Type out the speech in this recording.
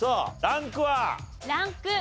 ランク１。